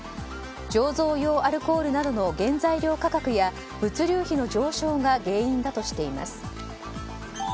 醸造用アルコールなどの原材料価格や、物流費の上昇が原因だとしています。